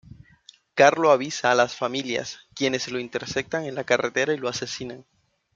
Carlo avisa a las familias, quienes lo interceptan en la carretera y lo asesinan.